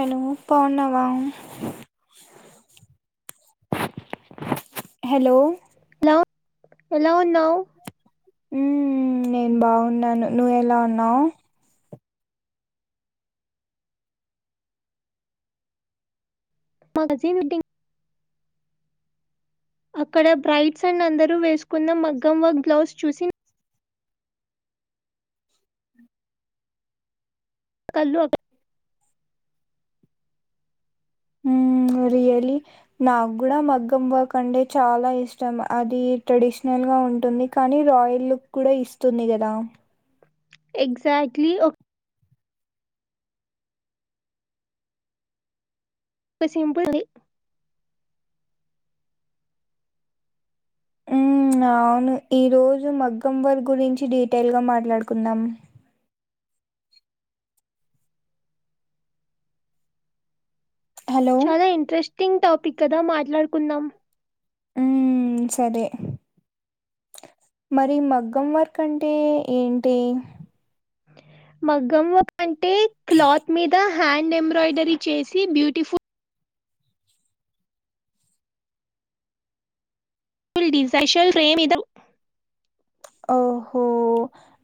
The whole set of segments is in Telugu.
హలో పావున్నావా హలో హలో ఎలా ఉన్నావు మ్మ్ నేను బాగున్నాను నువ్వెలా ఉన్నావ్ మా కజిన్ వెడ్డింగ్ అక్కడ బ్రైట్స్ అండ్ అందరు వేసుకున్న మగ్గం వర్క్ బ్లౌజ్ చూసి కళ్ళు అక్క ఉమ్ రియలీ నాకు కూడా మగ్గం వర్క్ అంటే చాలా ఇష్టం అది ట్రెడిషనల్ గా ఉంటుంది కానీ రాయల్ లుక్ కూడా ఇస్తుంది కదా ఎగ్సాట్లీ ఒ క సింపుల్ ది మ్ అవును ఈ రోజు మగ్గం వర్క్ గురించి డీటెయిల్ గా మాట్లాడుకుందాం హలో చాలా ఇంట్రెస్టింగ్ టాపిక్ కదా మాట్లాడుకుందాం ఉమ్ సరే మరి మగ్గం వర్క్ అంటే ఏంటి మగ్గం వర్క్ అంటే క్లాత్ మీద హ్యాండ్ ఎంబ్రాయిడరీ చేసి బ్యూటిఫు ల్ డిజైషల్ రేమ్ ఇదం ఓహో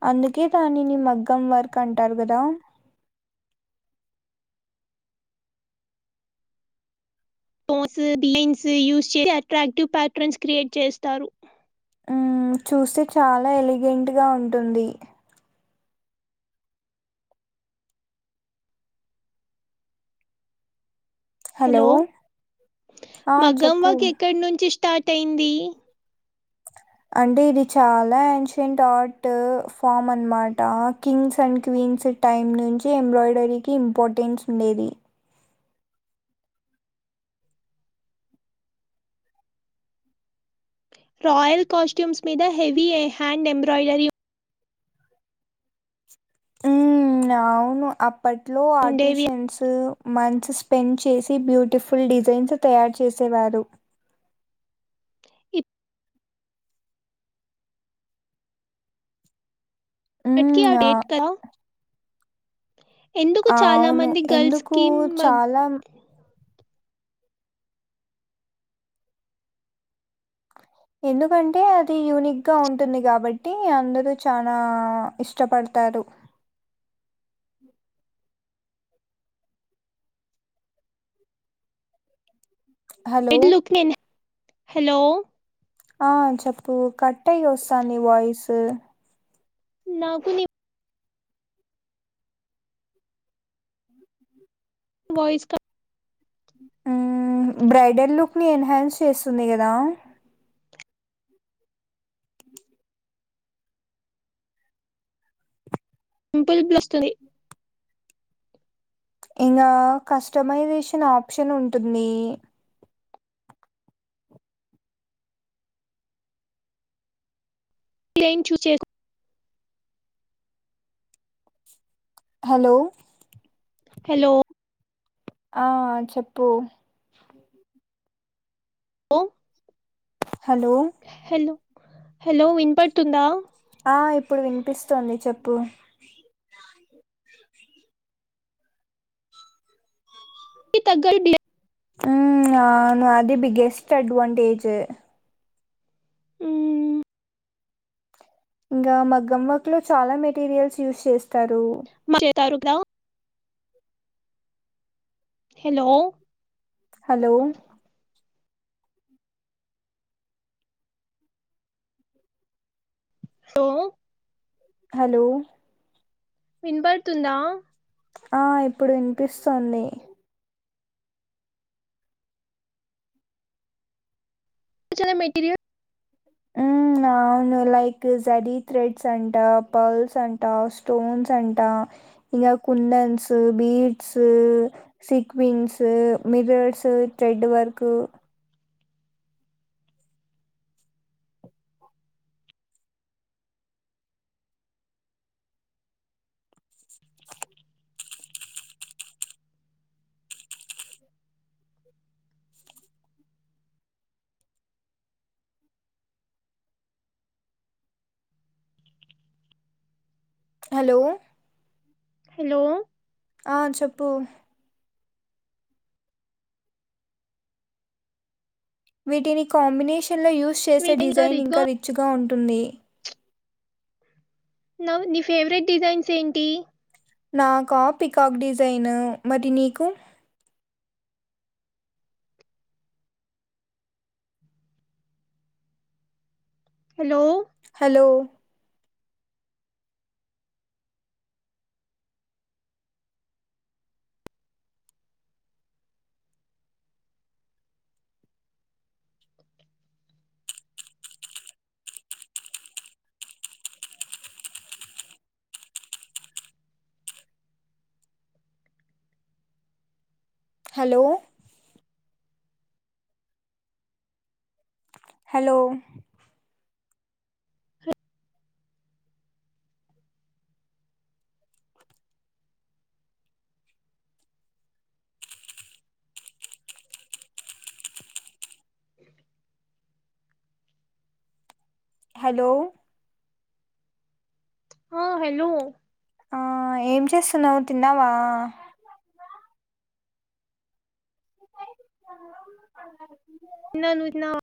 అందుకే దానిని మగ్గం వరకు అంటారు కదా స్టోన్స్ బీయన్స్ యూస్ చేసి అట్రాక్టివ్ ప్యాటర్న్స్ క్రియేట్ చేస్తారు ఉమ్ చూస్తే చాలా ఎలిగెంట్ గా ఉంటుంది హలో ఆ మగ్గం చెప్పు వర్క్ ఎక్కడి నుంచి స్టార్ట్ అయింది అంటే ఇది చాలా ఏన్షెంట్ ఆర్ట్ ఫామ్ అన్నమాట కింగ్స్ అండ్ క్వీన్స్ టైం నుంచి ఎంబ్రాయిడరీకి ఇంపార్టెన్స్ ఉండేది రాయల్ కాస్ట్యూమ్స్ మీద హెవీ హ్యాండ్ ఎంబ్రాయిడరీ ఉమ్ అవును అప్పట్లో ఉండేవి ఆర్టిషన్స్ మంత్స్ స్పెండ్ చేసి బ్యూటిఫుల్ డిజైన్స్ తయారు చేసేవారు ఇపట్కి అ మ్మ్, డేట్ ఆ- కా ఆ అవును మంది గర్ల్స్ ఎందుకు కి చాలా ఎందుకంటే అది యూనిక్గా ఉంటుంది కాబట్టి అందరూ చానా ఇష్టపడతారు హా క్ నేనే హలో ఆ చెప్పు కట్ అయ్యి వస్తాంది వాయిస్ నాకు నీ వాయిస్ క బ్రైడల్ లుక్ని ఎన్హాన్స్ చేస్తుంది కదా [unintelligible] వస్తుంది ఇంగా కస్టమైజేషన్ ఆప్షన్ ఉంటుంది ఏం చూస్ చేస్కో హలో హలో ఆ చెప్పు లో హలో హలో హలో విన్పడుతుందా ఆ ఇప్పుడు వినిపిస్తోంది చెప్పు దగ్గర బ్లే ఉమ్ అవును అది బిగ్గెస్ట్ అడ్వాంటేజ్ ఆ ఇంకా మగ్గం వర్క్లో చాలా మెటీరియల్స్ యూజ్ చేస్తారు చేస్తారు కదా హలో హలో లో హలో వినపడుతుందా ఆ ఇప్పుడు వినిపిస్తోంది చాలా మెటీరియల్ ఉమ్ అవును లైక్ జరి థ్రెడ్స్ అంటా పెరల్స్ అంటా స్టోన్స్ అంటా ఇంగ కుందన్స్ beads sequins mirrors thread work hello hello ఆ చెప్పు వీటిని కాంబినేషన్లో యూస్ చేసే డిజైన్ రిచ్ గా ఇంకా రిచ్గా ఉంటుంది నవ్ నీ ఫేవరెట్ డిజైన్స్ ఏంటి నాకా పికాక్ డిజైను మరి నీకు hello hello hello hello hello హ హలో ఆ ఏం చేస్తున్నవు తిన్నావా అ న్నను చినావా